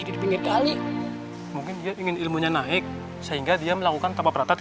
di pinggir kali mungkin dia ingin ilmunya naik sehingga dia melakukan taba prata di